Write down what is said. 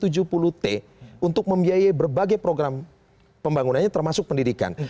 untuk membiayai berbagai program pembangunannya termasuk pendidikan